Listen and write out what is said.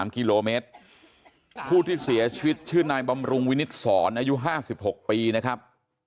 ๓กิโลเมตรผู้ที่เสียชีวิตชื่อนายบำรุงวินิตศรอายุ๕๖ปีนะครับ